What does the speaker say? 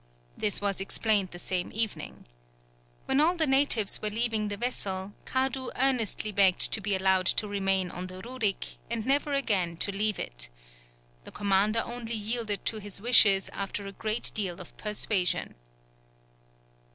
This was explained the same evening. When all the natives were leaving the vessel, Kadu earnestly begged to be allowed to remain on the Rurik, and never again to leave it. The commander only yielded to his wishes after a great deal of persuasion.